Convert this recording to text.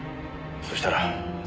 そしたら。